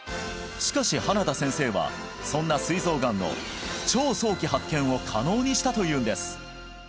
しかし花田先生はそんなすい臓がんの超早期発見を可能にしたというんです